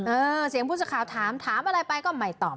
เออเสียงผู้สื่อข่าวถามถามอะไรไปก็ไม่ตอบ